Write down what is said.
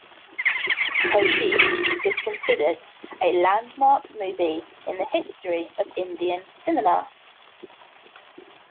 Koshish is considered a landmark movie in the history of Indian cinema.